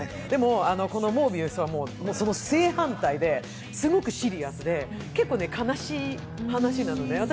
でも、この「モービウス」はその正反対ですごくシリアスで結構悲しい話なのね。